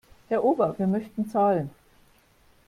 Herr Ober, wir möchten zahlen.